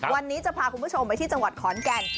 วันนี้จะพาคุณผู้ชมไปที่จังหวัดขอนแก่น